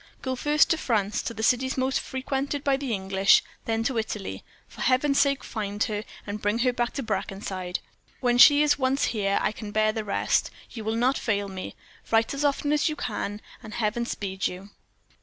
Go first to France to the cities most frequented by the English then to Italy. For Heaven's sake, find her, and bring her back to Brackenside. When she is once here I can bear the rest. You will not fail me. Write as often as you can; and Heaven speed you."